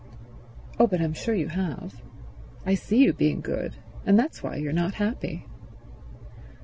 "Oh, but I'm sure you have—I see you being good—and that's why you're not happy."